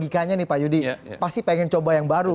tanya nih pak yudi pasti pengen coba yang baru